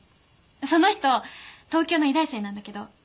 その人東京の医大生なんだけど。